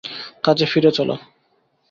কাজে ফিরে চলো।